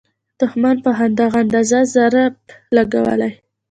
دوښمن په همدغه اندازه ضرب لګولی.